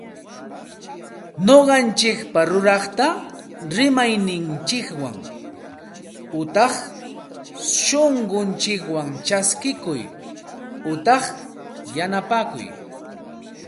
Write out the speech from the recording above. Ñuqanchikpaq ruraqta rimayninchikwan utaq sunqunchikwan chaskikuy utaq yanapakuy